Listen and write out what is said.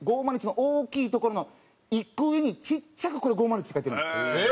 「５０１」の大きい所の１個上にちっちゃくこれ「５０１」って書いてるんです。